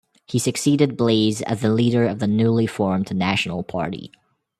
He succeeded Blaize as the leader of the newly formed National Party.